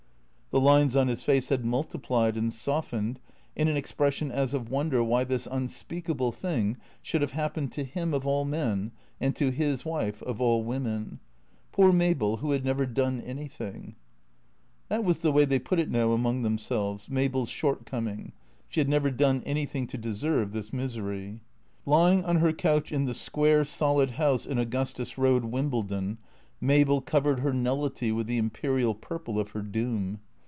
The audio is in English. The lines on his face had multiplied and softened in an expression as of wonder why this unspeakable thing should have happened to him of all men and to his wife of all women. Poor Mabel who had never done anything That was the way they put it now among themselves, Mabel's shortcoming. She had never done anything to deserve this mis ery. Lying on her couch in the square, solid house in Augustus Road, Wimbledon, Mabel covered her nullity with the imperial purple of her doom.